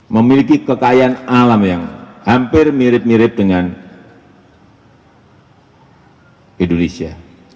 memiliki kekayaan alam yang hampir mirip mirip dengan indonesia